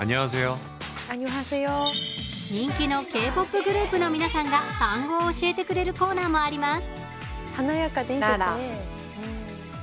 人気のＫ−ＰＯＰグループの皆さんが単語を教えてくれるコーナーもあります。